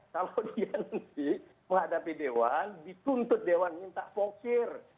kalau dia nanti menghadapi dewan dituntut dewan minta fokir